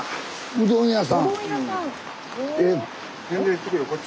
うどん屋さん。へ。